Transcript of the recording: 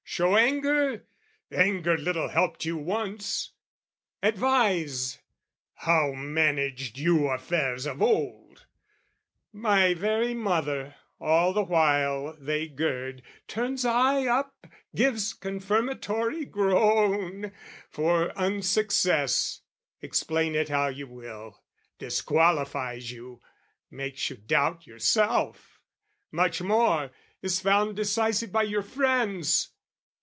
Show anger? "Anger little helped you once!" Advise? "How managed you affairs of old?" My very mother, all the while they gird, Turns eye up, gives confirmatory groan, For unsuccess, explain it how you will, Disqualifies you, makes you doubt yourself, Much more, is found decisive by your friends.